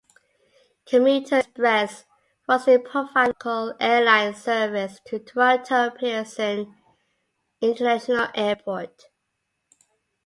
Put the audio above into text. Commuter Express was to provide local airline service to Toronto Pearson International Airport.